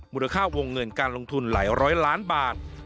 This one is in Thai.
มูลค่าวงเงินการลงทุน๐๐๐ล้านบาท